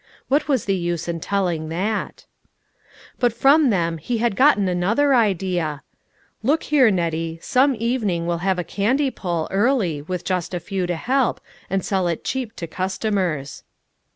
What was the use in telling that ? But from them he had gotten another idea. "Look here, Nettie, some evening we'll have a candy pull, early, with just a few to help, and sell it cheap to customers."